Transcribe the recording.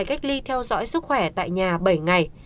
cách ly theo dõi sức khỏe tại nhà bảy ngày